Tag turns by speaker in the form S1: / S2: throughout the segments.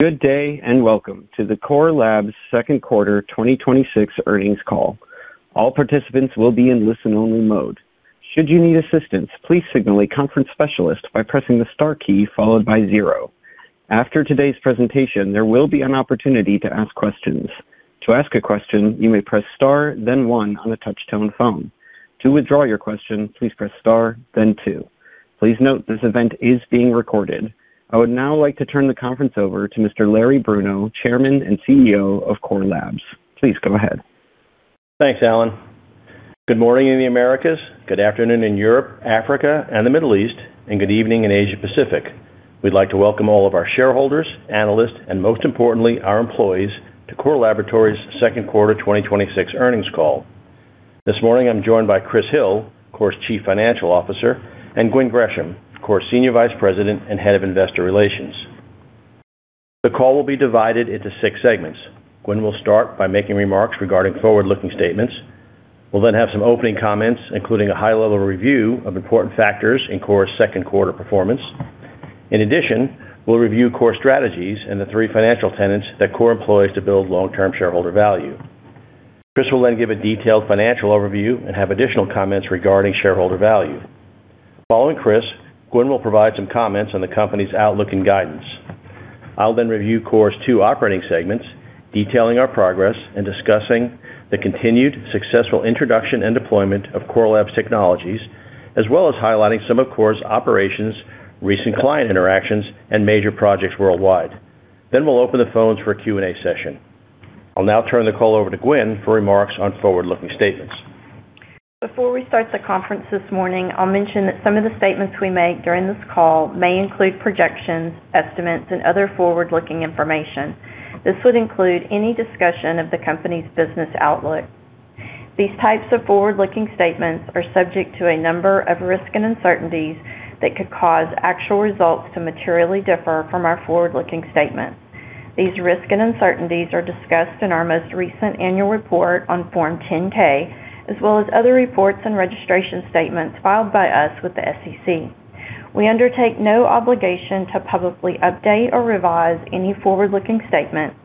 S1: Good day, and welcome to the Core Lab's second quarter 2026 earnings call. All participants will be in listen-only mode. Should you need assistance, please signal a conference specialist by pressing the star key followed by zero. After today's presentation, there will be an opportunity to ask questions. To ask a question, you may press star then one on a touch-tone phone. To withdraw your question, please press star then two. Please note this event is being recorded. I would now like to turn the conference over to Mr. Larry Bruno, Chairman and CEO of Core Lab. Please go ahead.
S2: Thanks, Alan. Good morning in the Americas. Good afternoon in Europe, Africa, and the Middle East, and good evening in Asia Pacific. We'd like to welcome all of our shareholders, analysts, and most importantly, our employees to Core Laboratories second quarter 2026 earnings call. This morning, I'm joined by Chris Hill, Core's Chief Financial Officer, and Gwen Gresham, Core's Senior Vice President and Head of Investor Relations. The call will be divided into six segments. Gwen will start by making remarks regarding forward-looking statements. We'll then have some opening comments, including a high-level review of important factors in Core's second quarter performance. In addition, we'll review Core strategies and the three financial tenets that Core employs to build long-term shareholder value. Chris will then give a detailed financial overview and have additional comments regarding shareholder value. Following Chris, Gwen will provide some comments on the company's outlook and guidance. I'll then review Core's two operating segments, detailing our progress and discussing the continued successful introduction and deployment of Core Laboratories technologies, as well as highlighting some of Core's operations, recent client interactions, and major projects worldwide. We'll open the phones for a Q&A session. I'll now turn the call over to Gwen for remarks on forward-looking statements.
S3: Before we start the conference this morning, I'll mention that some of the statements we make during this call may include projections, estimates, and other forward-looking information. This would include any discussion of the company's business outlook. These types of forward-looking statements are subject to a number of risks and uncertainties that could cause actual results to materially differ from our forward-looking statements. These risks and uncertainties are discussed in our most recent annual report on Form 10-K, as well as other reports and registration statements filed by us with the SEC. We undertake no obligation to publicly update or revise any forward-looking statements,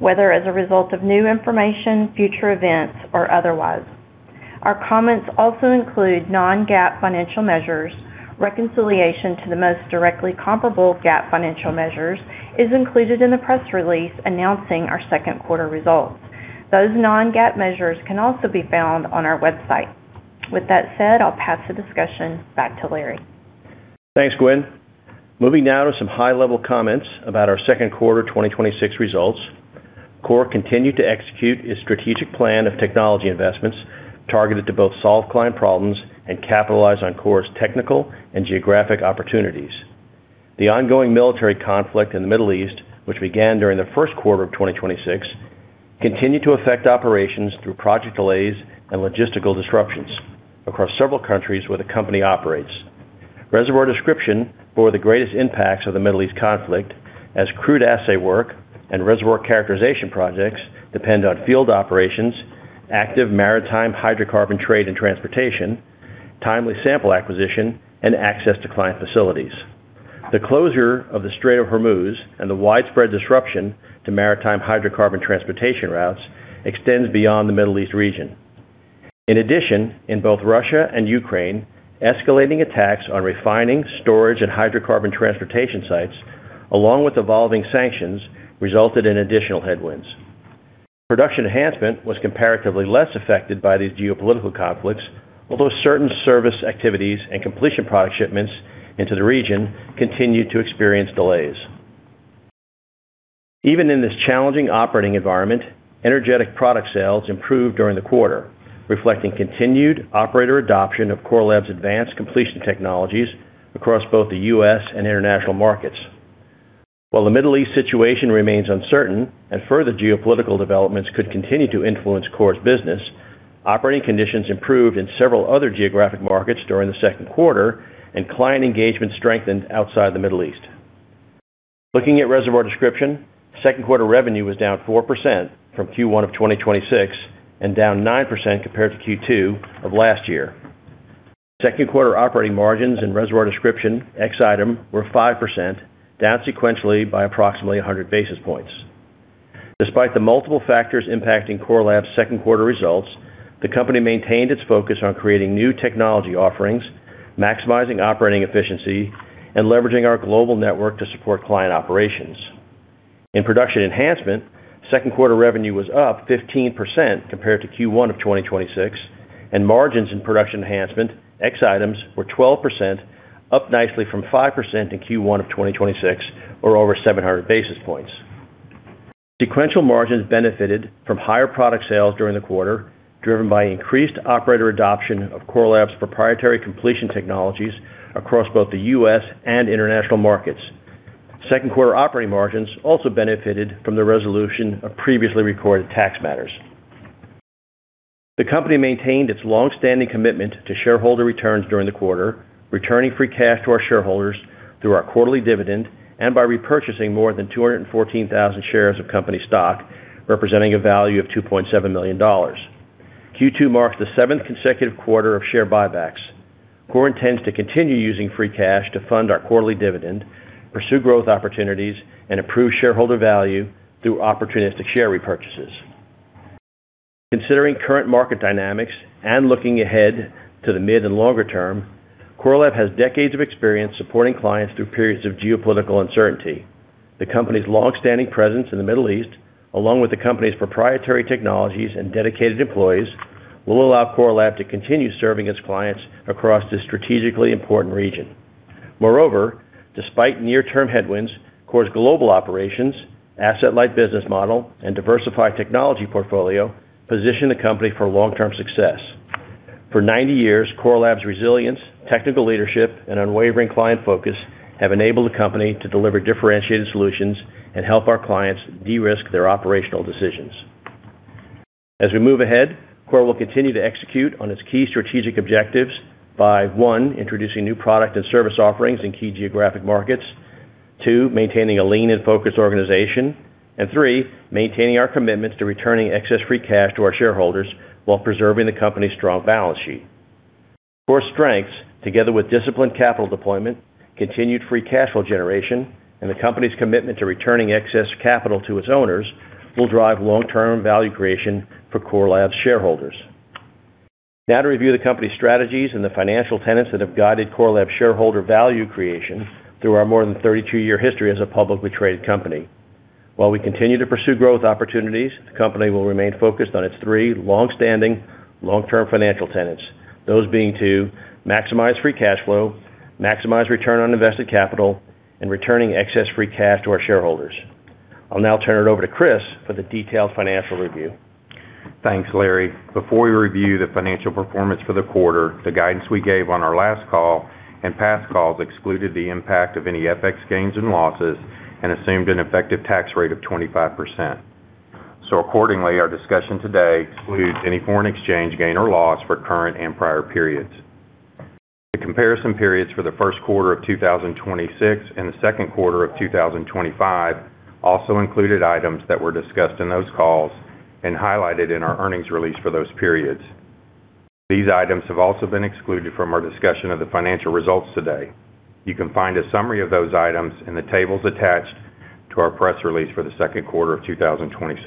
S3: whether as a result of new information, future events, or otherwise. Our comments also include non-GAAP financial measures. Reconciliation to the most directly comparable GAAP financial measures is included in the press release announcing our second quarter results. Those non-GAAP measures can also be found on our website. With that said, I'll pass the discussion back to Larry.
S2: Thanks, Gwen. Moving now to some high-level comments about our second quarter 2026 results. Core continued to execute its strategic plan of technology investments targeted to both solve client problems and capitalize on Core's technical and geographic opportunities. The ongoing military conflict in the Middle East, which began during the first quarter of 2026, continued to affect operations through project delays and logistical disruptions across several countries where the company operates. Reservoir Description bore the greatest impacts of the Middle East conflict as crude assay work and reservoir characterization projects depend on field operations, active maritime hydrocarbon trade and transportation, timely sample acquisition, and access to client facilities. The closure of the Strait of Hormuz and the widespread disruption to maritime hydrocarbon transportation routes extends beyond the Middle East region. In addition, in both Russia and Ukraine, escalating attacks on refining, storage, and hydrocarbon transportation sites, along with evolving sanctions, resulted in additional headwinds. Production Enhancement was comparatively less affected by these geopolitical conflicts, although certain service activities and completion product shipments into the region continued to experience delays. Even in this challenging operating environment, energetic product sales improved during the quarter, reflecting continued operator adoption of Core Lab's advanced completion technologies across both the U.S. and international markets. While the Middle East situation remains uncertain and further geopolitical developments could continue to influence Core's business, operating conditions improved in several other geographic markets during the second quarter, and client engagement strengthened outside the Middle East. Looking at Reservoir Description, second quarter revenue was down 4% from Q1 of 2026 and down 9% compared to Q2 of last year. Second quarter operating m argins in Reservoir Description ex item were 5%, down sequentially by approximately 100 basis points. Despite the multiple factors impacting Core Lab's second quarter results, the company maintained its focus on creating new technology offerings, maximizing operating efficiency, and leveraging our global network to support client operations. In Production Enhancement, second quarter revenue was up 15% compared to Q1 of 2026, and margins in Production Enhancement ex items were 12%, up nicely from 5% in Q1 of 2026, or over 700 basis points. Sequential margins benefited from higher product sales during the quarter, driven by increased operator adoption of Core Lab's proprietary completion technologies across both the U.S. and international markets. Second quarter operating margins also benefited from the resolution of previously recorded tax matters. The company maintained its longstanding commitment to shareholder returns during the quarter, returning free cash to our shareholders through our quarterly dividend and by repurchasing more than 214,000 shares of company stock, representing a value of $2.7 million. Q2 marks the seventh consecutive quarter of share buybacks. Core intends to continue using free cash to fund our quarterly dividend, pursue growth opportunities, and improve shareholder value through opportunistic share repurchases. Considering current market dynamics and looking ahead to the mid and longer term, Core Lab has decades of experience supporting clients through periods of geopolitical uncertainty. The company's longstanding presence in the Middle East, along with the company's proprietary technologies and dedicated employees, will allow Core Lab to continue serving its clients across this strategically important region. Moreover, despite near-term headwinds, Core's global operations, asset-light business model, and diversified technology portfolio position the company for long-term success. For 90 years, Core Lab's resilience, technical leadership, unwavering client focus have enabled the company to deliver differentiated solutions and help our clients de-risk their operational decisions. As we move ahead, Core will continue to execute on its key strategic objectives by, one, introducing new product and service offerings in key geographic markets, two, maintaining a lean and focused organization, and three, maintaining our commitments to returning excess free cash to our shareholders while preserving the company's strong balance sheet. Core's strengths, together with disciplined capital deployment, continued free cash flow generation, and the company's commitment to returning excess capital to its owners, will drive long-term value creation for Core Lab's shareholders. Now to review the company's strategies and the financial tenets that have guided Core Lab's shareholder value creation through our more than 32-year history as a publicly traded company. While we continue to pursue growth opportunities, the company will remain focused on its three longstanding, long-term financial tenets. Those being to maximize free cash flow, maximize return on invested capital, and returning excess free cash to our shareholders. I'll now turn it over to Chris for the detailed financial review.
S4: Thanks, Larry. Before we review the financial performance for the quarter, the guidance we gave on our last call and past calls excluded the impact of any FX gains and losses and assumed an effective tax rate of 25%. Accordingly, our discussion today excludes any foreign exchange gain or loss for current and prior periods. The comparison periods for the first quarter of 2026 and the second quarter of 2025 also included items that were discussed in those calls and highlighted in our earnings release for those periods. These items have also been excluded from our discussion of the financial results today. You can find a summary of those items in the tables attached to our press release for the second quarter of 2026.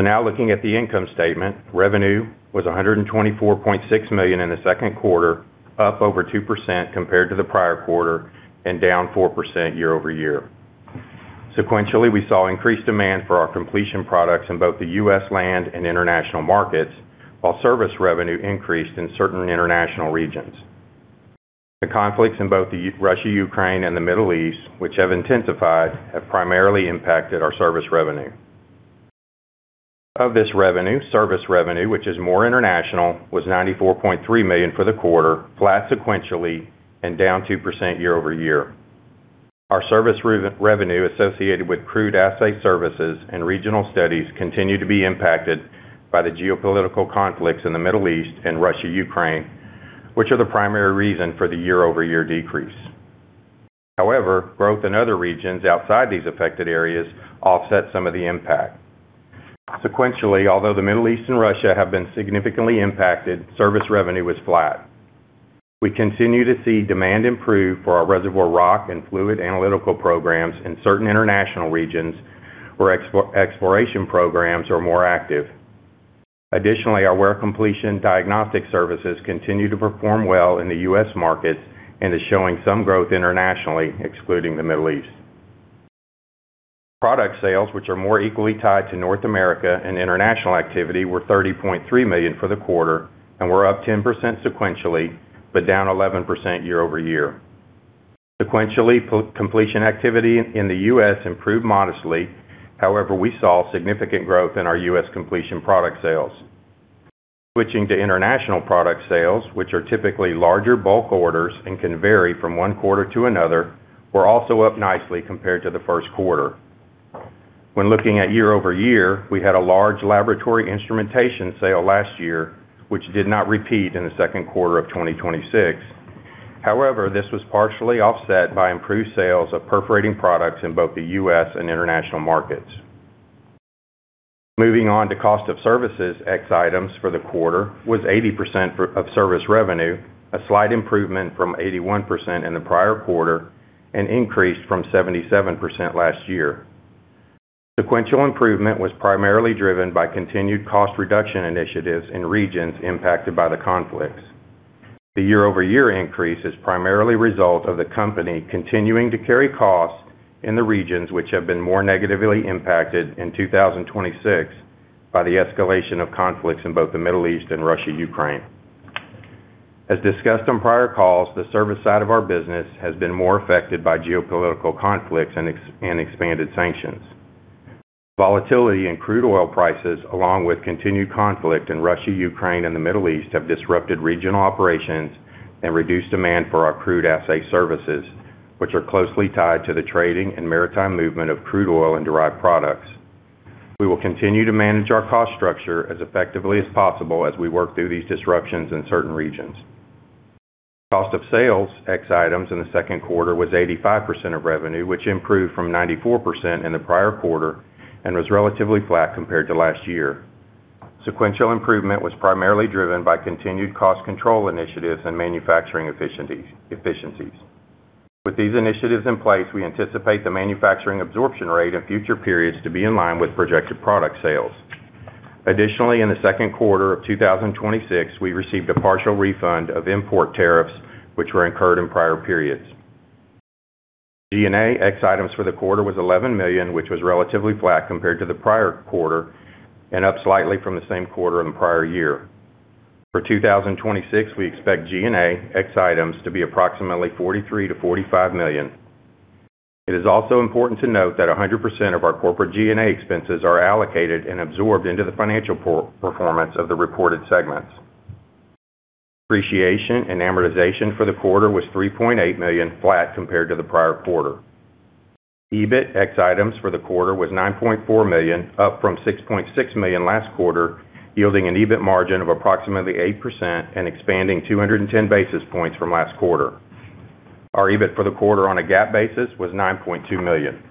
S4: Now looking at the income statement, revenue was $124.6 million in the second quarter, up over 2% compared to the prior quarter and down 4% year-over-year. Sequentially, we saw increased demand for our completion products in both the U.S. land and international markets, while service revenue increased in certain international regions. The conflicts in both Russia, Ukraine, and the Middle East, which have intensified, have primarily impacted our service revenue. Of this revenue, service revenue, which is more international, was $94.3 million for the quarter, flat sequentially and down 2% year-over-year. Our service revenue associated with crude assay services and regional studies continue to be impacted by the geopolitical conflicts in the Middle East and Russia, Ukraine, which are the primary reason for the year-over-year decrease. However, growth in other regions outside these affected areas offset some of the impact. Sequentially, although the Middle East and Russia have been significantly impacted, service revenue was flat. We continue to see demand improve for our reservoir rock and fluid analytical programs in certain international regions where exploration programs are more active. Additionally, our well completion diagnostic services continue to perform well in the U.S. market and is showing some growth internationally, excluding the Middle East. Product sales, which are more equally tied to North America and international activity, were $30.3 million for the quarter and were up 10% sequentially, but down 11% year-over-year. Sequentially, completion activity in the U.S. improved modestly. However, we saw significant growth in our U.S. completion product sales. Switching to international product sales, which are typically larger bulk orders and can vary from one quarter to another, were also up nicely compared to the first quarter. When looking at year-over-year, we had a large laboratory instrumentation sale last year, which did not repeat in the second quarter of 2026. However, this was partially offset by improved sales of perforating products in both the U.S. and international markets. Moving on to cost of services ex items for the quarter was 80% of service revenue, a slight improvement from 81% in the prior quarter and increased from 77% last year. Sequential improvement was primarily driven by continued cost reduction initiatives in regions impacted by the conflicts. The year-over-year increase is primarily result of the company continuing to carry costs in the regions which have been more negatively impacted in 2026 by the escalation of conflicts in both the Middle East and Russia, Ukraine. As discussed on prior calls, the service side of our business has been more affected by geopolitical conflicts and expanded sanctions. Volatility in crude oil prices, along with continued conflict in Russia, Ukraine, and the Middle East, have disrupted regional operations and reduced demand for our crude assay services, which are closely tied to the trading and maritime movement of crude oil and derived products. We will continue to manage our cost structure as effectively as possible as we work through these disruptions in certain regions. Cost of sales ex items in the second quarter was 85% of revenue, which improved from 94% in the prior quarter and was relatively flat compared to last year. Sequential improvement was primarily driven by continued cost control initiatives and manufacturing efficiencies. With these initiatives in place, we anticipate the manufacturing absorption rate in future periods to be in line with projected product sales. Additionally, in the second quarter of 2026, we received a partial refund of import tariffs, which were incurred in prior periods. G&A ex items for the quarter was $11 million, which was relatively flat compared to the prior quarter, and up slightly from the same quarter in the prior year. For 2026, we expect G&A ex items to be approximately $43 million-$45 million. It is also important to note that 100% of our corporate G&A expenses are allocated and absorbed into the financial performance of the reported segments. Depreciation and amortization for the quarter was $3.8 million, flat compared to the prior quarter. EBIT ex items for the quarter was $9.4 million, up from $6.6 million last quarter, yielding an EBIT margin of approximately 8% and expanding 210 basis points from last quarter. Our EBIT for the quarter on a GAAP basis was $9.2 million.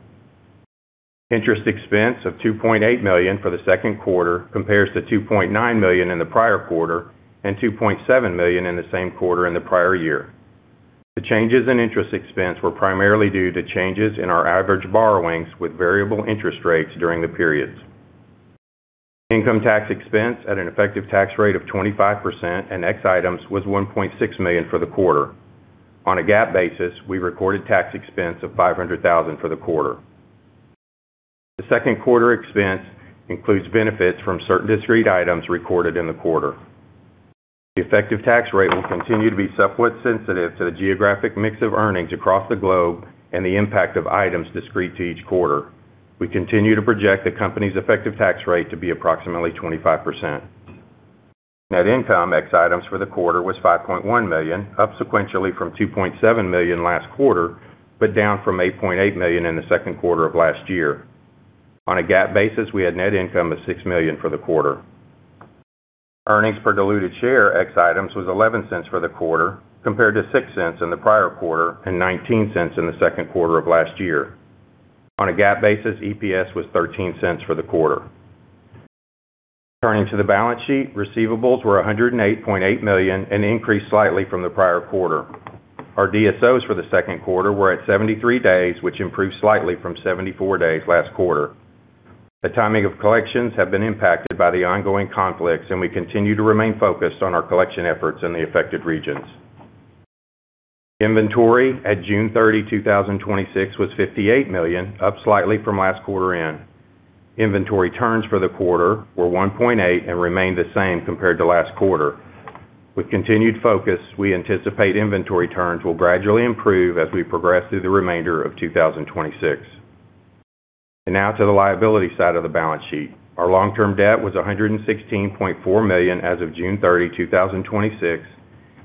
S4: Interest expense of $2.8 million for the second quarter compares to $2.9 million in the prior quarter and $2.7 million in the same quarter in the prior year. The changes in interest expense were primarily due to changes in our average borrowings with variable interest rates during the periods. Income tax expense at an effective tax rate of 25% and ex items was $1.6 million for the quarter. On a GAAP basis, we recorded tax expense of $500,000 for the quarter. The second quarter expense includes benefits from certain discrete items recorded in the quarter. The effective tax rate will continue to be somewhat sensitive to the geographic mix of earnings across the globe and the impact of items discrete to each quarter. We continue to project the company's effective tax rate to be approximately 25%. Net income ex items for the quarter was $5.1 million, up sequentially from $2.7 million last quarter, but down from $8.8 million in the second quarter of last year. On a GAAP basis, we had net income of $6 million for the quarter. Earnings per diluted share ex items was $0.11 for the quarter, compared to $0.06 in the prior quarter, and $0.19 in the second quarter of last year. On a GAAP basis, EPS was $0.13 for the quarter. Turning to the balance sheet, receivables were $108.8 million and increased slightly from the prior quarter. Our DSO for the second quarter were at 73 days, which improved slightly from 74 days last quarter. The timing of collections have been impacted by the ongoing conflicts, and we continue to remain focused on our collection efforts in the affected regions. Inventory at June 30, 2026, was $58 million, up slightly from last quarter-end. Inventory turns for the quarter were 1.8 and remained the same compared to last quarter. With continued focus, we anticipate inventory turns will gradually improve as we progress through the remainder of 2026. Now to the liability side of the balance sheet. Our long-term debt was $116.4 million as of June 30, 2026,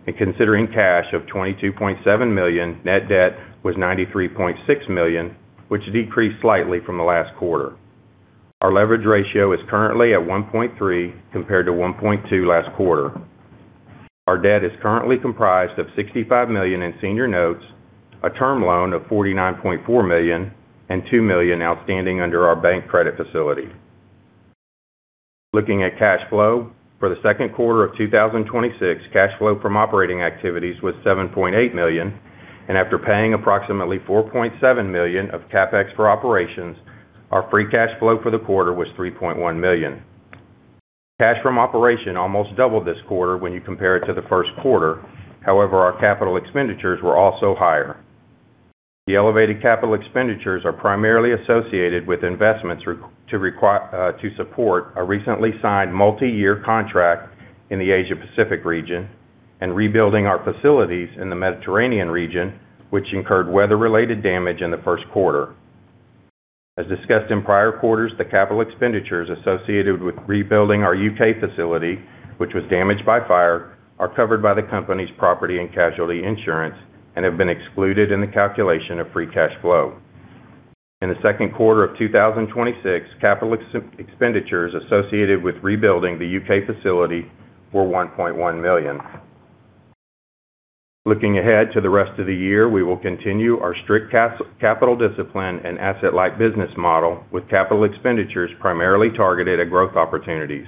S4: and considering cash of $22.7 million, net debt was $93.6 million, which decreased slightly from the last quarter. Our leverage ratio is currently at 1.3 compared to 1.2 last quarter. Our debt is currently comprised of $65 million in senior notes, a term loan of $49.4 million, and $2 million outstanding under our bank credit facility. Looking at cash flow. For the second quarter of 2026, cash flow from operating activities was $7.8 million, and after paying approximately $4.7 million of CapEx for operations, our free cash flow for the quarter was $3.1 million. Cash from operations almost doubled this quarter when you compare it to the first quarter. Our capital expenditures were also higher. The elevated capital expenditures are primarily associated with investments to support a recently signed multi-year contract in the Asia-Pacific region and rebuilding our facilities in the Mediterranean region, which incurred weather-related damage in the first quarter. As discussed in prior quarters, the capital expenditures associated with rebuilding our U.K. facility, which was damaged by fire, are covered by the company's property and casualty insurance and have been excluded in the calculation of free cash flow. In the second quarter of 2026, capital expenditures associated with rebuilding the U.K. facility were $1.1 million. Looking ahead to the rest of the year, we will continue our strict capital discipline and asset-light business model with capital expenditures primarily targeted at growth opportunities.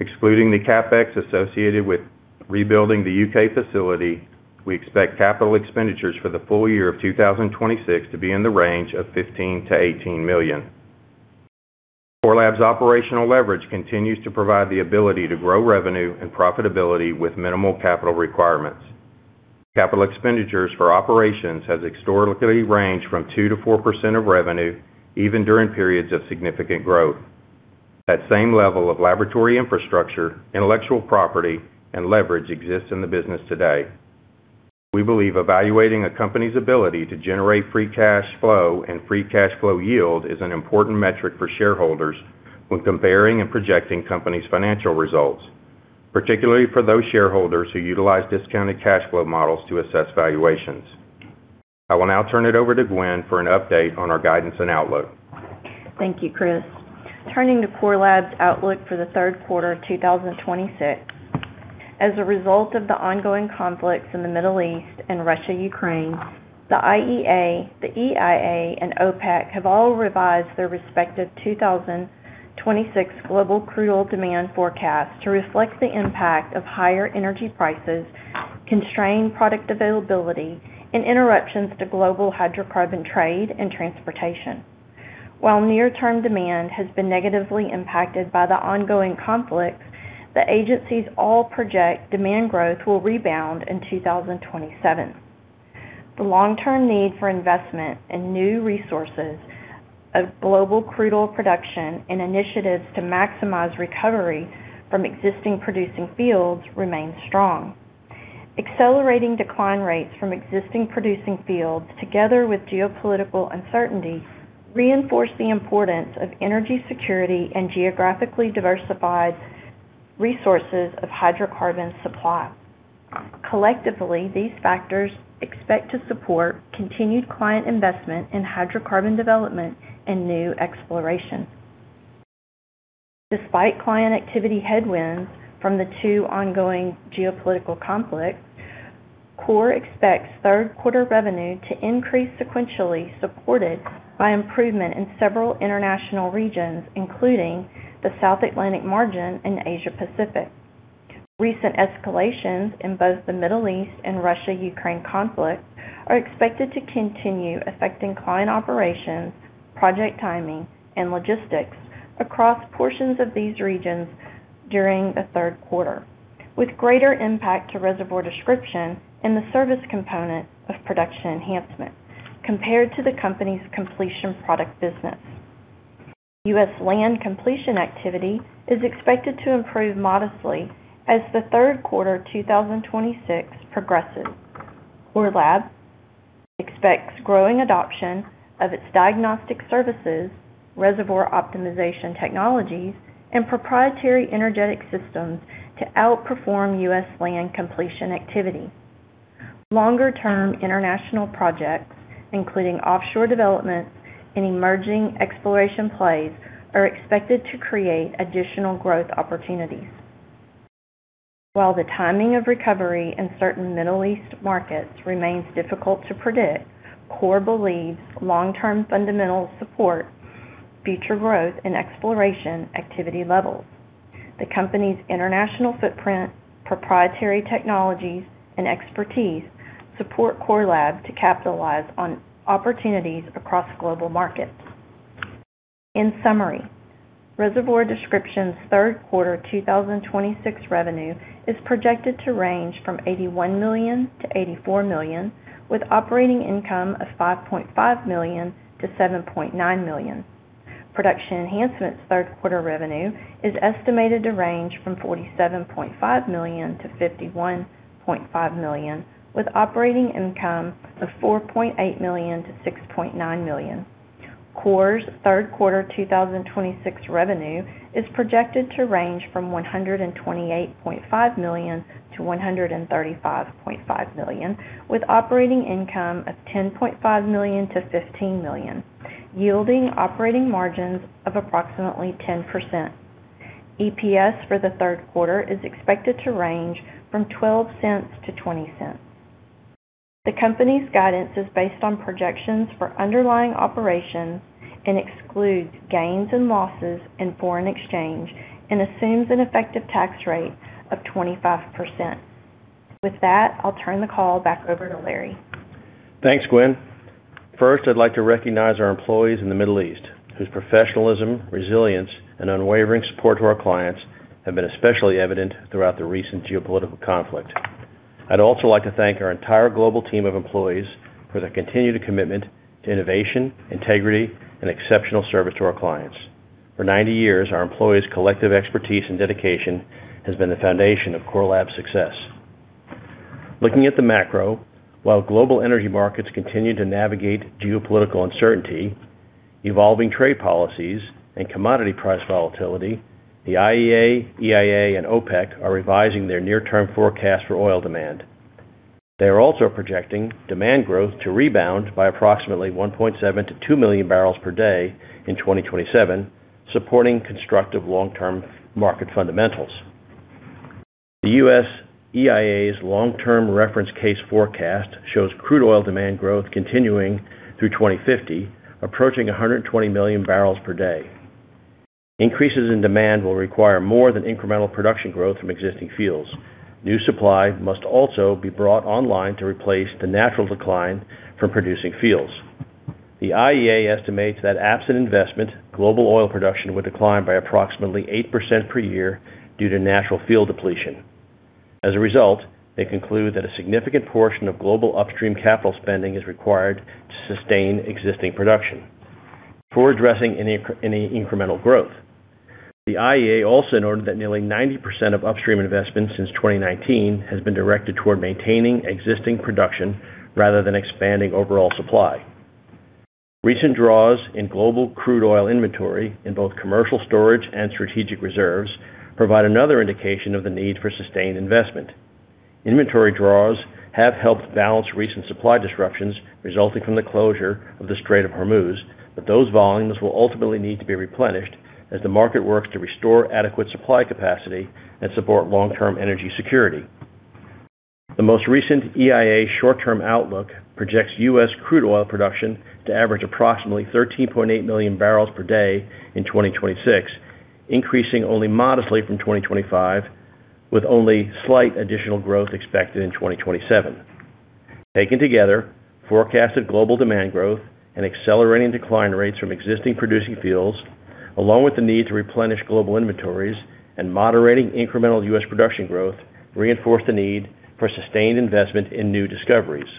S4: Excluding the CapEx associated with rebuilding the U.K. facility, we expect capital expenditures for the full year of 2026 to be in the range of $15 million-$18 million. Core Lab's operational leverage continues to provide the ability to grow revenue and profitability with minimal capital requirements. Capital expenditures for operations has historically ranged from 2%-4% of revenue, even during periods of significant growth. That same level of laboratory infrastructure, intellectual property, and leverage exists in the business today. We believe evaluating a company's ability to generate free cash flow and free cash flow yield is an important metric for shareholders when comparing and projecting companies' financial results, particularly for those shareholders who utilize discounted cash flow models to assess valuations. I will now turn it over to Gwen for an update on our guidance and outlook.
S3: Thank you, Chris. Turning to Core Lab's outlook for the third quarter of 2026. As a result of the ongoing conflicts in the Middle East and Russia, Ukraine, the IEA, the EIA, and OPEC have all revised their respective 2026 global crude oil demand forecast to reflect the impact of higher energy prices, constrained product availability, and interruptions to global hydrocarbon trade and transportation. While near-term demand has been negatively impacted by the ongoing conflict, the agencies all project demand growth will rebound in 2027. The long-term need for investment in new resources of global crude oil production and initiatives to maximize recovery from existing producing fields remains strong. Accelerating decline rates from existing producing fields, together with geopolitical uncertainty, reinforce the importance of energy security and geographically diversified resources of hydrocarbon supply. Collectively, these factors expect to support continued client investment in hydrocarbon development and new exploration. Despite client activity headwinds from the two ongoing geopolitical conflicts, Core expects third quarter revenue to increase sequentially, supported by improvement in several international regions, including the South Atlantic margin and Asia-Pacific. Recent escalations in both the Middle East and Russia-Ukraine conflict are expected to continue affecting client operations, project timing, and logistics across portions of these regions during the third quarter, with greater impact to Reservoir Description and the service component of Production Enhancement compared to the company's completion product business. U.S. land completion activity is expected to improve modestly as the third quarter 2026 progresses. Core Lab expects growing adoption of its diagnostic services, reservoir optimization technologies, and proprietary energetic systems to outperform U.S. land completion activity. Longer-term international projects, including offshore developments and emerging exploration plays, are expected to create additional growth opportunities. While the timing of recovery in certain Middle East markets remains difficult to predict, Core believes long-term fundamentals support future growth in exploration activity levels. The company's international footprint, proprietary technologies, and expertise support Core Lab to capitalize on opportunities across global markets. In summary, Reservoir Description's third quarter 2026 revenue is projected to range from $81 million-$84 million, with operating income of $5.5 million-$7.9 million. Production Enhancement's third quarter revenue is estimated to range from $47.5 million-$51.5 million, with operating income of $4.8 million-$6.9 million. Core's third quarter 2026 revenue is projected to range from $128.5 million-$135.5 million, with operating income of $10.5 million-$15 million, yielding operating margins of approximately 10%. EPS for the third quarter is expected to range from $0.12-$0.20. The company's guidance is based on projections for underlying operations and excludes gains and losses in foreign exchange and assumes an effective tax rate of 25%. With that, I'll turn the call back over to Larry.
S2: Thanks, Gwen. First, I'd like to recognize our employees in the Middle East, whose professionalism, resilience, and unwavering support to our clients have been especially evident throughout the recent geopolitical conflict. I'd also like to thank our entire global team of employees for their continued commitment to innovation, integrity, and exceptional service to our clients. For 90 years, our employees' collective expertise and dedication has been the foundation of Core Lab's success. Looking at the macro, while global energy markets continue to navigate geopolitical uncertainty, evolving trade policies, and commodity price volatility, the IEA, EIA, and OPEC are revising their near-term forecast for oil demand. They are also projecting demand growth to rebound by approximately 1.7 million-2 million barrels per day in 2027, supporting constructive long-term market fundamentals. The U.S. EIA's long-term reference case forecast shows crude oil demand growth continuing through 2050, approaching 120 million barrels per day. Increases in demand will require more than incremental production growth from existing fields. New supply must also be brought online to replace the natural decline from producing fields. The IEA estimates that absent investment, global oil production would decline by approximately 8% per year due to natural field depletion. As a result, they conclude that a significant portion of global upstream capital spending is required to sustain existing production before addressing any incremental growth. The IEA also noted that nearly 90% of upstream investment since 2019 has been directed toward maintaining existing production rather than expanding overall supply. Recent draws in global crude oil inventory in both commercial storage and strategic reserves provide another indication of the need for sustained investment. Inventory draws have helped balance recent supply disruptions resulting from the closure of the Strait of Hormuz, those volumes will ultimately need to be replenished as the market works to restore adequate supply capacity and support long-term energy security. The most recent EIA Short-Term Outlook projects U.S. crude oil production to average approximately 13.8 million barrels per day in 2026, increasing only modestly from 2025, with only slight additional growth expected in 2027. Taken together, forecasted global demand growth and accelerating decline rates from existing producing fields, along with the need to replenish global inventories and moderating incremental U.S. production growth, reinforce the need for sustained investment in new discoveries.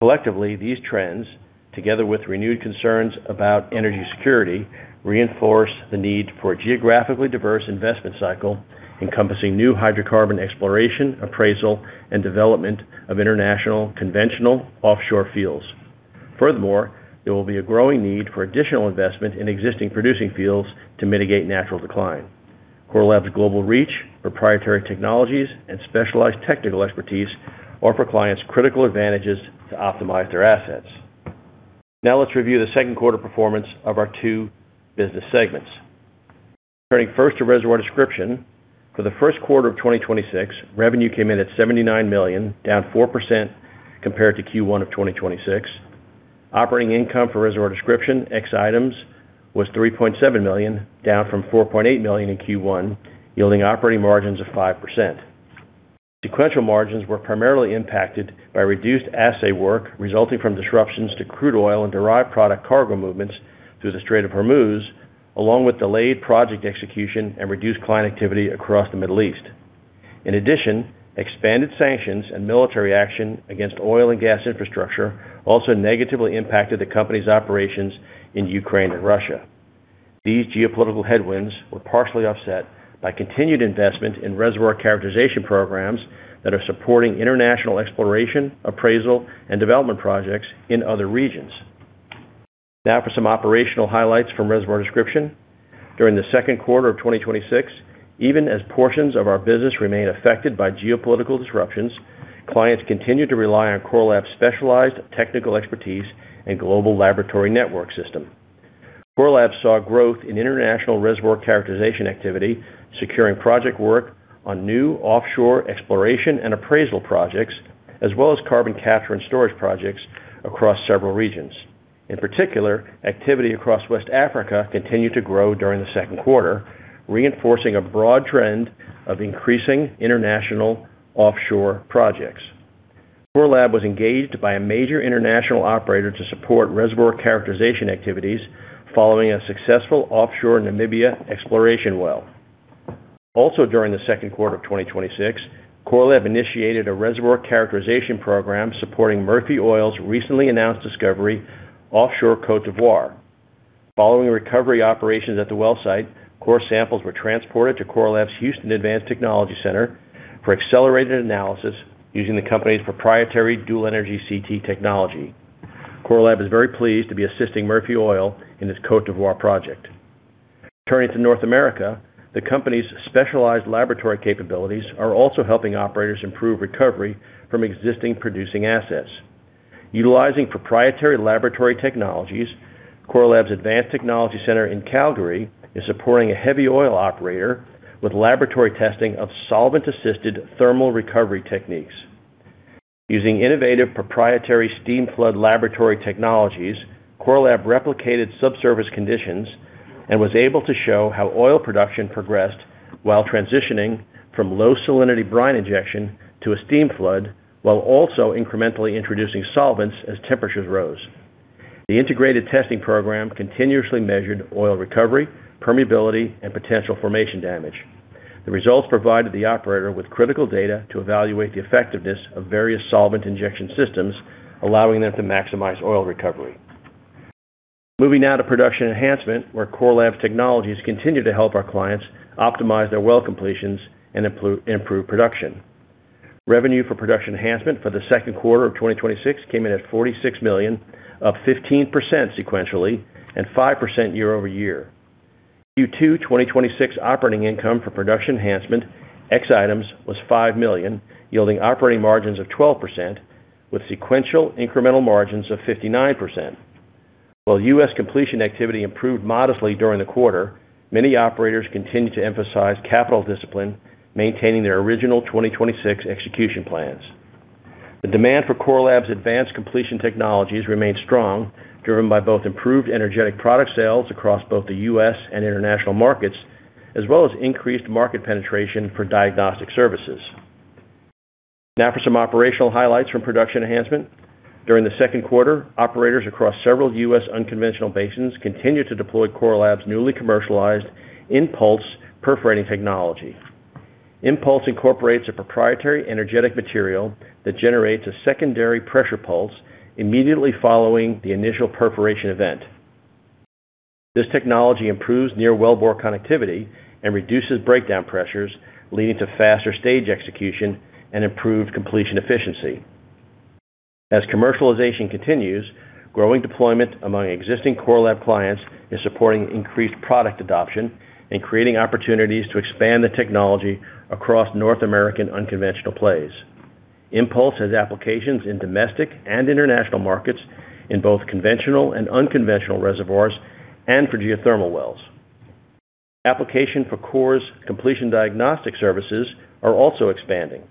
S2: Collectively, these trends, together with renewed concerns about energy security, reinforce the need for a geographically diverse investment cycle encompassing new hydrocarbon exploration, appraisal, and development of international conventional offshore fields. There will be a growing need for additional investment in existing producing fields to mitigate natural decline. Core Lab's global reach, proprietary technologies, and specialized technical expertise offer clients critical advantages to optimize their assets. Let's review the second quarter performance of our two business segments. First to Reservoir Description. For the first quarter of 2026, revenue came in at $79 million, down 4% compared to Q1 of 2026. Operating income for Reservoir Description, ex items, was $3.7 million, down from $4.8 million in Q1, yielding operating margins of 5%. Sequential margins were primarily impacted by reduced assay work resulting from disruptions to crude oil and derived product cargo movements through the Strait of Hormuz, along with delayed project execution and reduced client activity across the Middle East. Expanded sanctions and military action against oil and gas infrastructure also negatively impacted the company's operations in Ukraine and Russia. These geopolitical headwinds were partially offset by continued investment in reservoir characterization programs that are supporting international exploration, appraisal, and development projects in other regions. For some operational highlights from Reservoir Description. During the second quarter of 2026, even as portions of our business remain affected by geopolitical disruptions, clients continued to rely on Core Lab's specialized technical expertise and global laboratory network system. Core Lab saw growth in international reservoir characterization activity, securing project work on new offshore exploration and appraisal projects, as well as carbon capture and storage projects across several regions. In particular, activity across West Africa continued to grow during the second quarter, reinforcing a broad trend of increasing international offshore projects. Core Lab was engaged by a major international operator to support reservoir characterization activities following a successful offshore Namibia exploration well. During the second quarter of 2026, Core Lab initiated a reservoir characterization program supporting Murphy Oil's recently announced discovery offshore Côte d'Ivoire. Following recovery operations at the well site, core samples were transported to Core Lab's Houston Advanced Technology Center for accelerated analysis using the company's proprietary Dual Energy CT technology. Core Lab is very pleased to be assisting Murphy Oil in its Côte d'Ivoire project. Turning to North America, the company's specialized laboratory capabilities are also helping operators improve recovery from existing producing assets. Utilizing proprietary laboratory technologies, Core Lab's Advanced Technology Center in Calgary is supporting a heavy oil operator with laboratory testing of solvent-assisted thermal recovery techniques. Using innovative proprietary steam flood laboratory technologies, Core Lab replicated subsurface conditions and was able to show how oil production progressed while transitioning from low salinity brine injection to a steam flood, while also incrementally introducing solvents as temperatures rose. The integrated testing program continuously measured oil recovery, permeability, and potential formation damage. The results provided the operator with critical data to evaluate the effectiveness of various solvent injection systems, allowing them to maximize oil recovery. Moving now to Production Enhancement, where Core Lab's technologies continue to help our clients optimize their well completions and improve production. Revenue for Production Enhancement for the second quarter of 2026 came in at $46 million, up 15% sequentially and 5% year-over-year. Q2 2026 operating income for Production Enhancement, ex items, was $5 million, yielding operating margins of 12%, with sequential incremental margins of 59%. While U.S. completion activity improved modestly during the quarter, many operators continued to emphasize capital discipline, maintaining their original 2026 execution plans. The demand for Core Lab's advanced completion technologies remained strong, driven by both improved energetic product sales across both the U.S. and international markets, as well as increased market penetration for diagnostic services. Now for some operational highlights from Production Enhancement. During the second quarter, operators across several U.S. unconventional basins continued to deploy Core Lab's newly commercialized InPulse perforating technology. InPulse incorporates a proprietary energetic material that generates a secondary pressure pulse immediately following the initial perforation event. This technology improves near-wellbore connectivity and reduces breakdown pressures, leading to faster stage execution and improved completion efficiency. As commercialization continues, growing deployment among existing Core Lab clients is supporting increased product adoption and creating opportunities to expand the technology across North American unconventional plays. InPulse has applications in domestic and international markets, in both conventional and unconventional reservoirs, and for geothermal wells. Application for Core's completion diagnostic services are also expanding.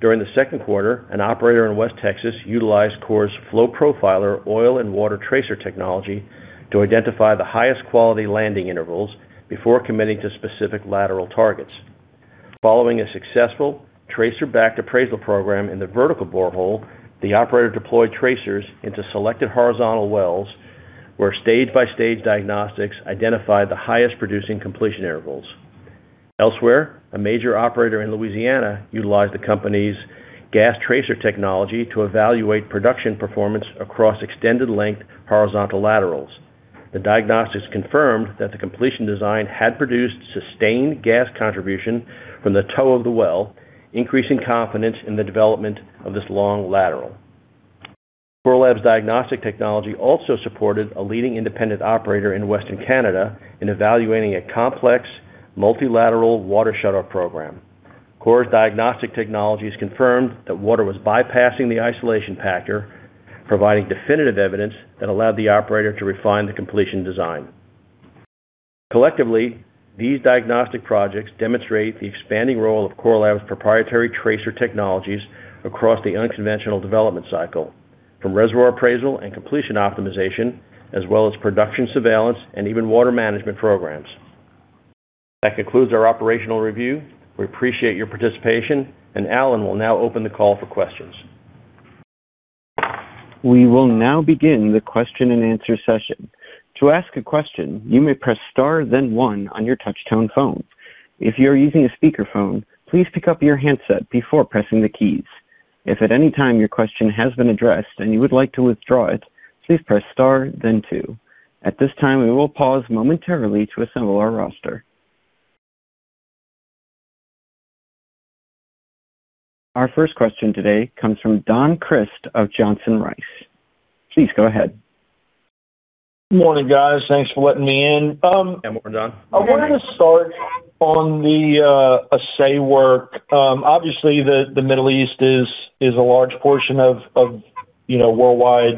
S2: During the second quarter, an operator in West Texas utilized Core's Flow Profiler oil and water tracer technology to identify the highest quality landing intervals before committing to specific lateral targets. Following a successful tracer-backed appraisal program in the vertical borehole, the operator deployed tracers into selected horizontal wells, where stage-by-stage diagnostics identified the highest producing completion intervals. Elsewhere, a major operator in Louisiana utilized the company's gas tracer technology to evaluate production performance across extended length horizontal laterals. The diagnostics confirmed that the completion design had produced sustained gas contribution from the toe of the well, increasing confidence in the development of this long lateral. Core Lab's diagnostic technology also supported a leading independent operator in Western Canada in evaluating a complex multilateral water shutoff program. Core's diagnostic technologies confirmed that water was bypassing the isolation packer, providing definitive evidence that allowed the operator to refine the completion design. Collectively, these diagnostic projects demonstrate the expanding role of Core Lab's proprietary tracer technologies across the unconventional development cycle, from reservoir appraisal and completion optimization, as well as production surveillance and even water management programs. That concludes our operational review. We appreciate your participation, and Alan will now open the call for questions.
S1: We will now begin the question-and-answer session. To ask a question, you may press star then one on your touchtone phone. If you're using a speakerphone, please pick up your handset before pressing the keys. If at any time your question has been addressed and you would like to withdraw it, please press star then two. At this time, we will pause momentarily to assemble our roster. Our first question today comes from Don Crist of Johnson Rice. Please go ahead.
S5: Morning, guys. Thanks for letting me in.
S4: Yeah, morning, Don.
S5: I wanted to start on the assay work. Obviously, the Middle East is a large portion of worldwide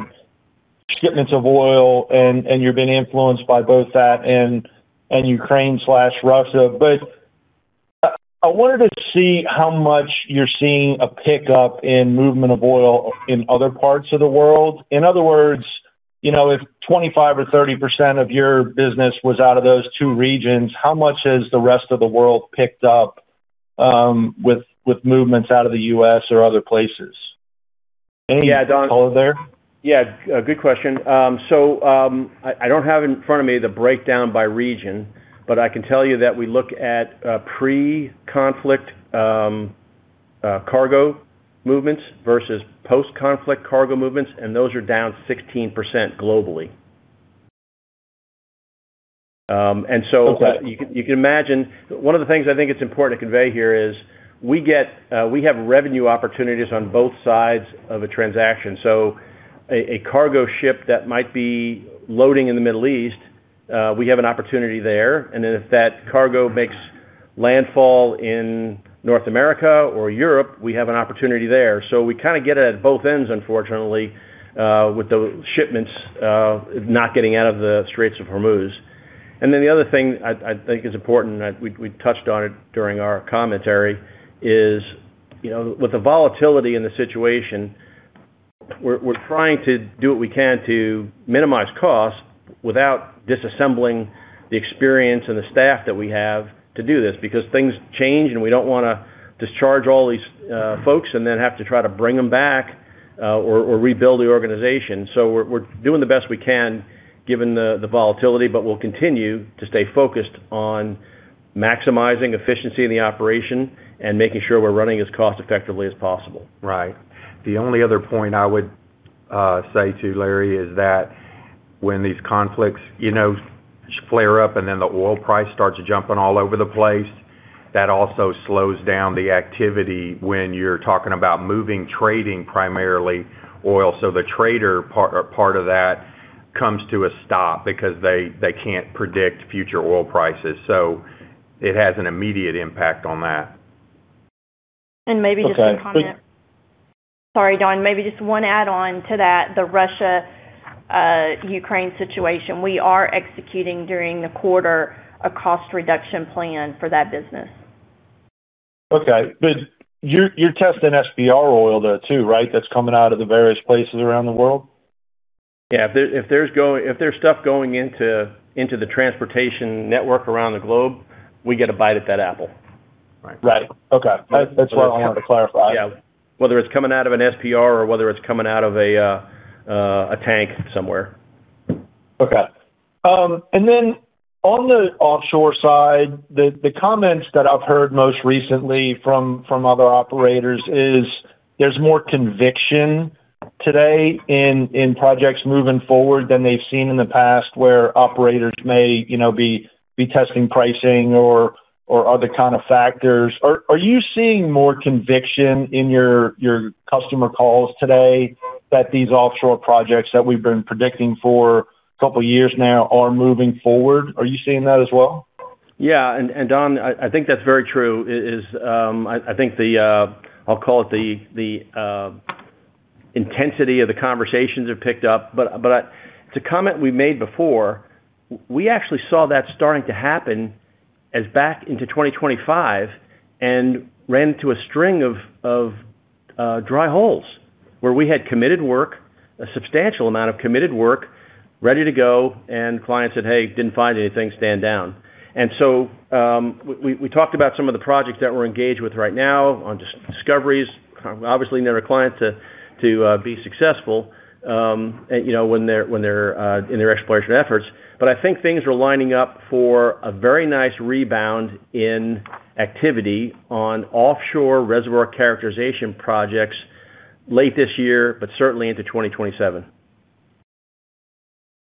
S5: shipments of oil, and you're being influenced by both that and Ukraine/Russia. I wanted to see how much you're seeing a pickup in movement of oil in other parts of the world. In other words, if 25% or 30% of your business was out of those two regions, how much has the rest of the world picked up with movements out of the U.S. or other places?
S2: Yeah, Don.
S4: Hello, there?
S2: Yeah. Good question. I don't have in front of me the breakdown by region. I can tell you that we look at pre-conflict cargo movements versus post-conflict cargo movements, and those are down 16% globally. You can imagine, one of the things I think it's important to convey here is we have revenue opportunities on both sides of a transaction. A cargo ship that might be loading in the Middle East, we have an opportunity there. Then if that cargo makes landfall in North America or Europe, we have an opportunity there. We kind of get it at both ends, unfortunately, with the shipments not getting out of the Strait of Hormuz. The other thing I think is important, and we touched on it during our commentary, is with the volatility in the situation, we're trying to do what we can to minimize costs without disassembling the experience and the staff that we have to do this, because things change, and we don't want to discharge all these folks and then have to try to bring them back or rebuild the organization. We're doing the best we can given the volatility, but we'll continue to stay focused on maximizing efficiency in the operation and making sure we're running as cost-effectively as possible.
S4: Right. The only other point I would say, too, Larry, is that when these conflicts flare up and then the oil price starts jumping all over the place, that also slows down the activity when you're talking about moving trading, primarily oil. The trader part of that comes to a stop because they can't predict future oil prices. It has an immediate impact on that.
S3: Maybe just one comment.
S5: Okay.
S3: Sorry, Don, maybe just one add-on to that, the Russia-Ukraine situation. We are executing during the quarter a cost reduction plan for that business.
S5: Okay. You're testing SPR oil there, too, right? That's coming out of the various places around the world.
S2: Yeah. If there's stuff going into the transportation network around the globe, we get a bite at that apple.
S5: Right. Okay. That's what I wanted to clarify.
S2: Yeah. Whether it's coming out of an SPR or whether it's coming out of a tank somewhere.
S5: Okay. On the offshore side, the comments that I've heard most recently from other operators is there's more conviction today in projects moving forward, than they've seen in the past, where operators may be testing pricing or other kind of factors. Are you seeing more conviction in your customer calls today that these offshore projects that we've been predicting for a couple of years now are moving forward? Are you seeing that as well?
S2: Yeah. Don, I think that's very true. I think the I'll call it the intensity of the conversations have picked up. To comment we made before, we actually saw that starting to happen as back into 2025 and ran into a string of dry holes where we had committed work, a substantial amount of committed work ready to go, and client said, Hey, didn't find anything, stand down. So, we talked about some of the projects that we're engaged with right now on discoveries, obviously another client to be successful, when they're in their exploration efforts. But I think things are lining up for a very nice rebound in activity on offshore reservoir characterization projects late this year, but certainly into 2027.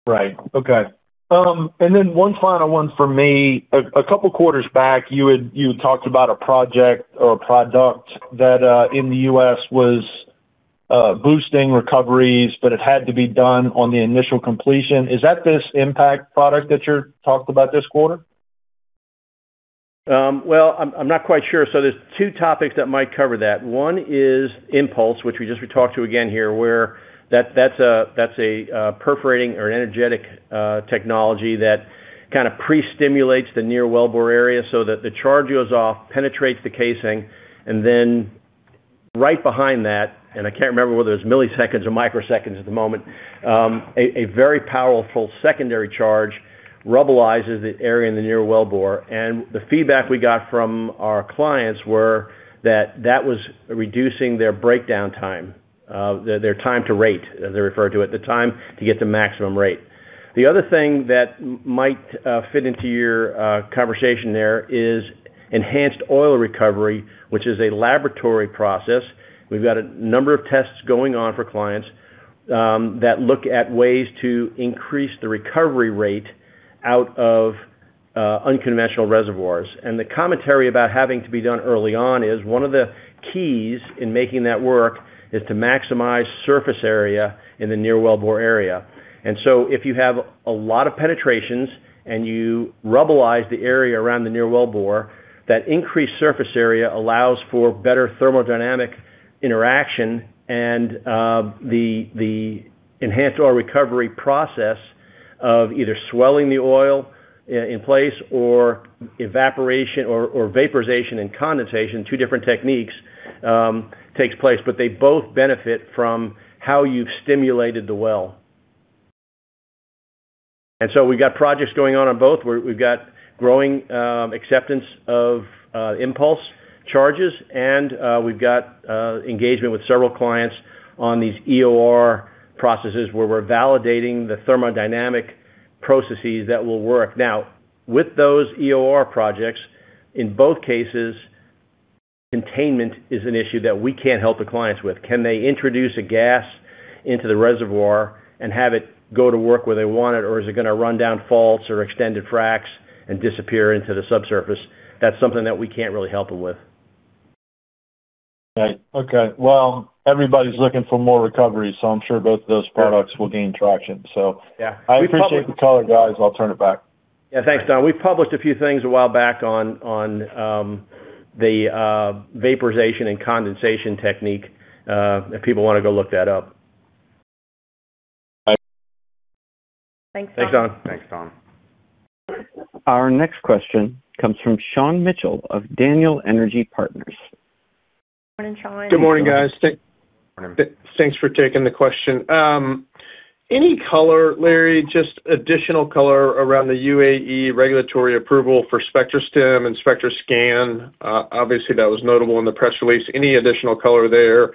S5: Right. Okay. One final one for me. A couple of quarters back, you had talked about a project or a product that in the U.S. was boosting recoveries, but it had to be done on the initial completion. Is that this InPulse product that you talked about this quarter?
S2: Well, I'm not quite sure. There's two topics that might cover that. One is InPulse, which we just talked to again here, where that's a perforating or an energetic technology that kind of pre-stimulates the near wellbore area so that the charge goes off, penetrates the casing, and then right behind that, and I can't remember whether it's milliseconds or microseconds at the moment, a very powerful secondary charge rubblizes the area in the near wellbore. The feedback we got from our clients were that that was reducing their breakdown time, their time to rate, as they refer to it, the time to get the maximum rate. The other thing that might fit into your conversation there is enhanced oil recovery, which is a laboratory process. We've got a number of tests going on for clients that look at ways to increase the recovery rate out of unconventional reservoirs. The commentary about having to be done early on is one of the keys in making that work is to maximize surface area in the near wellbore area. If you have a lot of penetrations and you rubblize the area around the near wellbore, that increased surface area allows for better thermodynamic interaction and the enhanced oil recovery process of either swelling the oil in place or evaporation, or vaporization and condensation, two different techniques, takes place. They both benefit from how you've stimulated the well. We've got projects going on on both. We've got growing acceptance of InPulse charges, and we've got engagement with several clients on these EOR processes where we're validating the thermodynamic processes that will work. Now, with those EOR projects, in both cases, containment is an issue that we can't help the clients with. Can they introduce a gas into the reservoir and have it go to work where they want it? Or is it gonna run down faults or extended fracs and disappear into the subsurface? That's something that we can't really help them with.
S5: Right. Okay. Well, everybody's looking for more recovery, I'm sure both of those products will gain traction.
S2: Yeah.
S5: I appreciate the color, guys. I'll turn it back.
S2: Yeah. Thanks, Don. We published a few things a while back on the vaporization and condensation technique, if people want to go look that up.
S5: Bye.
S3: Thanks, Don.
S2: Thanks, Don.
S4: Thanks, Don.
S1: Our next question comes from Sean Mitchell of Daniel Energy Partners.
S3: Morning, Sean.
S2: Good morning.
S6: Good morning, guys. Morning. Thanks for taking the question. Any color, Larry, just additional color around the UAE regulatory approval for SPECTRASTIM and SPECTRASCAN? Obviously, that was notable in the press release. Any additional color there?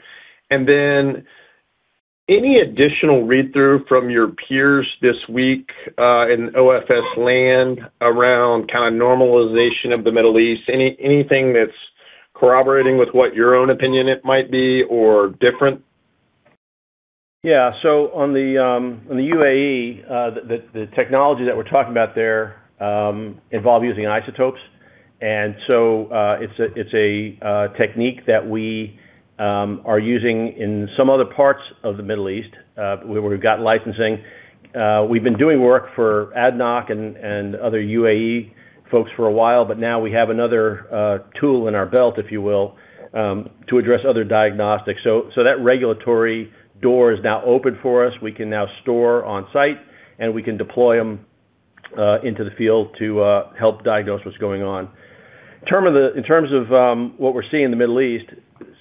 S6: Then any additional read-through from your peers this week, in OFS land around kind of normalization of the Middle East? Anything that's corroborating with what your own opinion it might be or different?
S2: On the UAE, the technology that we're talking about there involve using isotopes, it's a technique that we are using in some other parts of the Middle East, where we've got licensing. We've been doing work for ADNOC and other UAE folks for a while, but now we have another tool in our belt, if you will, to address other diagnostics. That regulatory door is now open for us. We can now store on-site, and we can deploy them into the field to help diagnose what's going on. In terms of what we're seeing in the Middle East,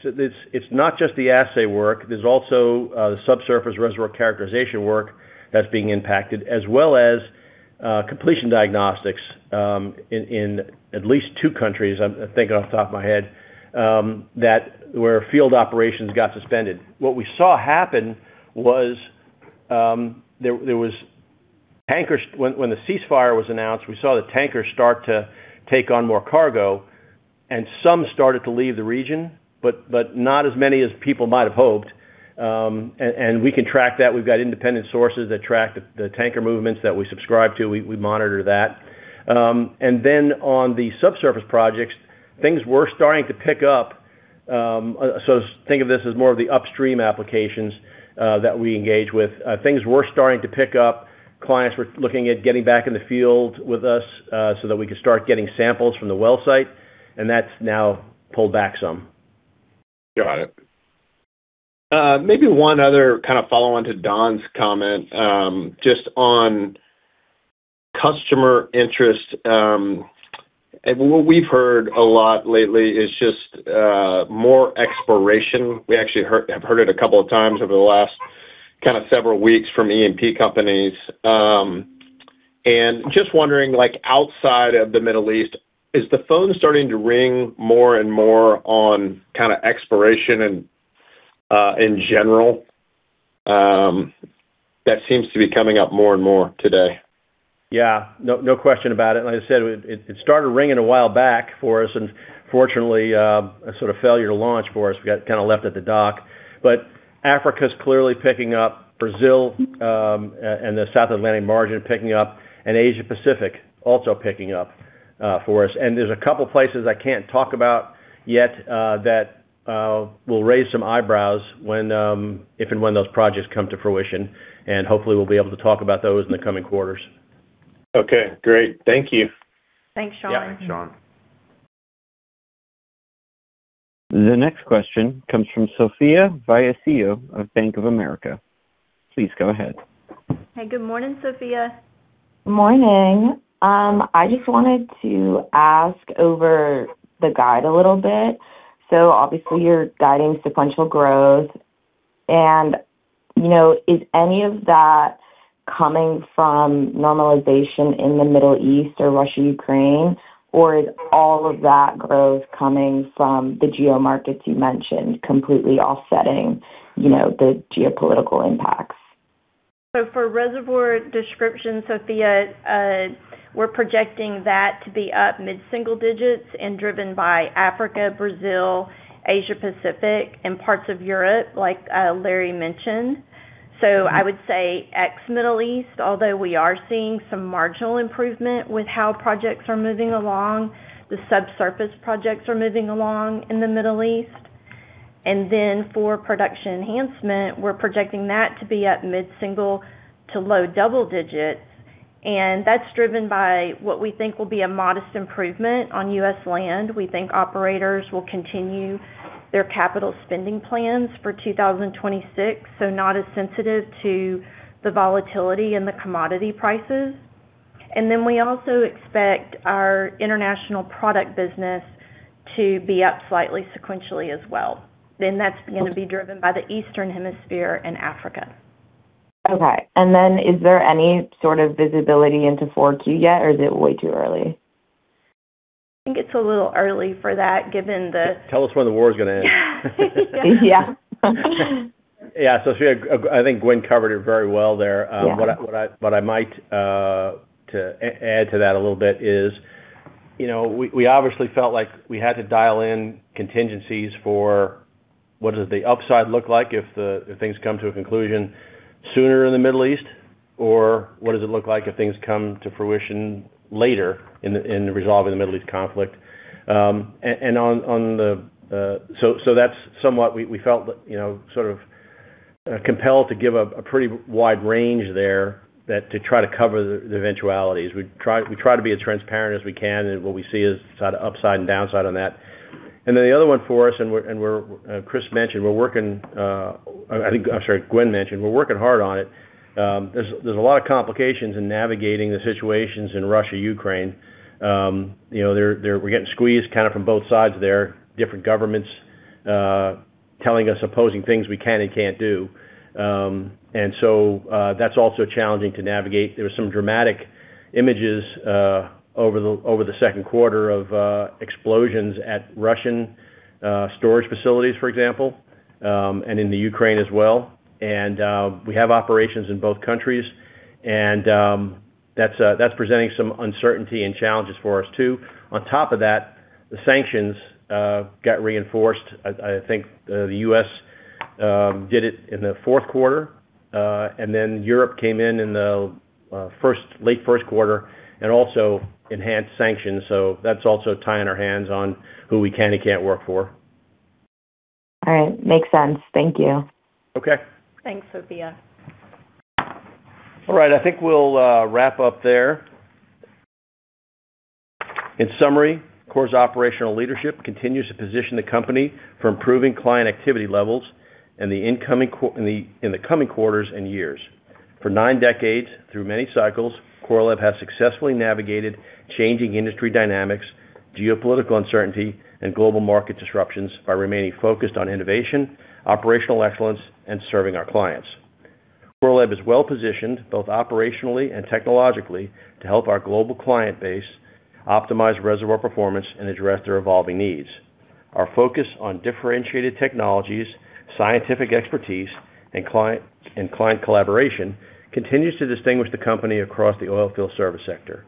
S2: it's not just the assay work, there's also the subsurface reservoir characterization work that's being impacted, as well as completion diagnostics in at least two countries, I'm thinking off the top of my head, that where field operations got suspended. What we saw happen was when the ceasefire was announced, we saw the tankers start to take on more cargo, and some started to leave the region. Not as many as people might have hoped. We can track that. We've got independent sources that track the tanker movements that we subscribe to. We monitor that. On the subsurface projects, things were starting to pick up. Think of this as more of the upstream applications that we engage with. Things were starting to pick up. Clients were looking at getting back in the field with us so that we could start getting samples from the well site, and that's now pulled back some.
S6: Got it. Maybe one other follow-on to Don's comment just on customer interest. What we've heard a lot lately is just more exploration. We actually have heard it a couple of times over the last several weeks from E&P companies. Just wondering, outside of the Middle East, is the phone starting to ring more and more on exploration in general? That seems to be coming up more and more today.
S2: Yeah. No question about it. Like I said, it started ringing a while back for us, and unfortunately, a sort of failure to launch for us. We got left at the dock. Africa's clearly picking up. Brazil and the South Atlantic margin picking up, Asia-Pacific also picking up for us. There's a couple places I can't talk about yet that will raise some eyebrows if and when those projects come to fruition. Hopefully, we'll be able to talk about those in the coming quarters.
S6: Okay, great. Thank you.
S3: Thanks, Sean.
S2: Yeah. Sean.
S1: The next question comes from Sophia Vallecillo of Bank of America. Please go ahead.
S3: Hey, good morning, Sophia.
S7: Morning. I just wanted to ask over the guide a little bit. Obviously, you're guiding sequential growth and is any of that coming from normalization in the Middle East or Russia-Ukraine? Or is all of that growth coming from the geomarkets you mentioned, completely offsetting the geopolitical impacts?
S3: For Reservoir Description, Sophia, we're projecting that to be up mid-single digits and driven by Africa, Brazil, Asia-Pacific, and parts of Europe, like Larry mentioned. I would say ex-Middle East, although we are seeing some marginal improvement with how projects are moving along, the subsurface projects are moving along in the Middle East. For Production Enhancement, we're projecting that to be up mid-single to low double digits, and that's driven by what we think will be a modest improvement on U.S. land. We think operators will continue their capital spending plans for 2026, so not as sensitive to the volatility in the commodity prices. We also expect our international product business to be up slightly sequentially as well. That's going to be driven by the Eastern Hemisphere and Africa.
S7: Okay. Is there any sort of visibility into 4Q yet, or is it way too early?
S3: I think it's a little early for that given the
S2: Tell us when the war's gonna end.
S3: Yeah.
S7: Yeah.
S2: Yeah. Sophia, I think Gwen covered it very well there.
S7: Yeah.
S2: What I might add to that a little bit is we obviously felt like we had to dial in contingencies for what does the upside look like if things come to a conclusion sooner in the Middle East? Or what does it look like if things come to fruition later in the resolve of the Middle East conflict? That's somewhat we felt sort of compelled to give a pretty wide range there to try to cover the eventualities. We try to be as transparent as we can, and what we see is upside and downside on that. The other one for us, Gwen mentioned we're working hard on it. There's a lot of complications in navigating the situations in Russia-Ukraine. We're getting squeezed from both sides there. Different governments telling us opposing things we can and can't do. That's also challenging to navigate. There were some dramatic images over the second quarter of explosions at Russian storage facilities, for example, and in the Ukraine as well. We have operations in both countries, and that's presenting some uncertainty and challenges for us, too. On top of that, the sanctions got reinforced. I think the U.S. did it in the fourth quarter, Europe came in in the late first quarter and also enhanced sanctions. That's also tying our hands on who we can and can't work for.
S7: All right. Makes sense. Thank you.
S2: Okay.
S3: Thanks, Sophia.
S2: All right. I think we'll wrap up there. In summary, Core's operational leadership continues to position the company for improving client activity levels in the coming quarters and years. For nine decades, through many cycles, Core Lab has successfully navigated changing industry dynamics, geopolitical uncertainty, and global market disruptions by remaining focused on innovation, operational excellence, and serving our clients. Core Lab is well-positioned, both operationally and technologically, to help our global client base optimize reservoir performance and address their evolving needs. Our focus on differentiated technologies, scientific expertise, and client collaboration continues to distinguish the company across the oil field service sector.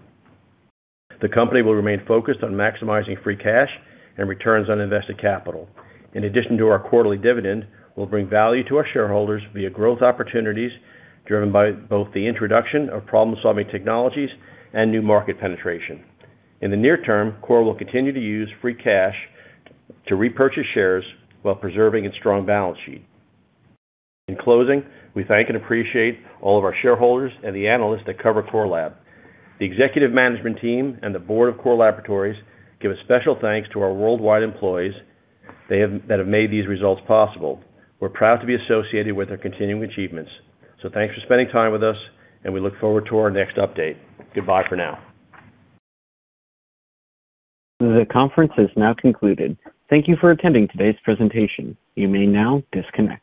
S2: The company will remain focused on maximizing free cash and returns on invested capital. In addition to our quarterly dividend, we'll bring value to our shareholders via growth opportunities driven by both the introduction of problem-solving technologies and new market penetration. In the near term, Core will continue to use free cash to repurchase shares while preserving its strong balance sheet. In closing, we thank and appreciate all of our shareholders and the analysts that cover Core Lab. The executive management team and the board of Core Laboratories give a special thanks to our worldwide employees that have made these results possible. We're proud to be associated with their continuing achievements. Thanks for spending time with us, and we look forward to our next update. Goodbye for now.
S1: The conference is now concluded. Thank you for attending today's presentation. You may now disconnect.